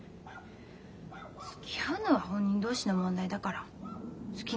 つきあうのは本人同士の問題だから好きにすれば？